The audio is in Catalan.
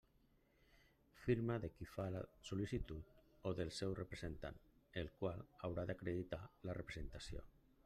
Firma de qui fa la sol·licitud o del seu representant, el qual haurà d'acreditar la representació.